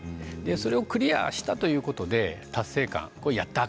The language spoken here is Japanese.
それをクリアしたということで達成感やったー！